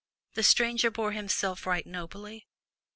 The stranger bore himself right nobly.